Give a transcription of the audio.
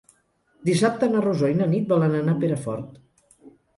Dissabte na Rosó i na Nit volen anar a Perafort.